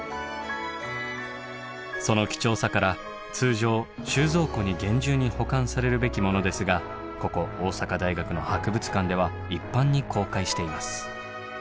その貴重さから通常収蔵庫に厳重に保管されるべきものですがここ大阪大学の博物館では一般に公開しています。